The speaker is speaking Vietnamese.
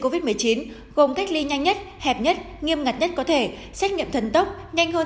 covid một mươi chín gồm cách ly nhanh nhất hẹp nhất nghiêm ngặt nhất có thể xét nghiệm thần tốc nhanh hơn